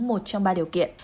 một trong ba điều kiện